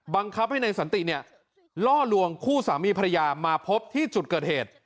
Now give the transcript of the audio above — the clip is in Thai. บังคับให้นายสันติเนี่ยล่อลวงคู่สามีภรรยามาพบที่จุดเกิดเหตุ